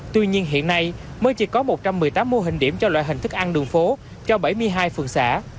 tuy nhiên hiện nay mới chỉ có một trăm một mươi tám mô hình điểm cho loại hình thức ăn đường phố cho bảy mươi hai phường xã